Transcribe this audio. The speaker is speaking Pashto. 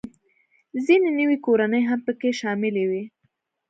ځینې نوې کورنۍ هم پکې شاملې وې